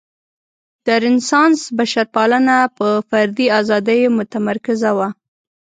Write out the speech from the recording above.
د رنسانس بشرپالنه په فردي ازادیو متمرکزه وه.